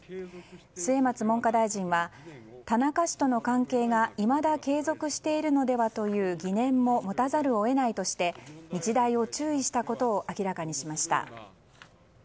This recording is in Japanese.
末松文科大臣は田中氏との関係がいまだ継続しているのではという疑念も持たざるを得ないとして日大を注意したことを明らかにしました。